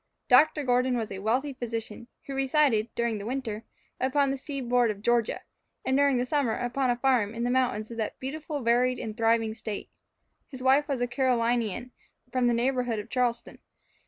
Dr. Gordon was a wealthy physician, who resided, during the winter, upon the seaboard of Georgia, and during the summer upon a farm in the mountains of that beautifully varied and thriving State. His wife was a Carolinian, from the neighbourhood of Charleston.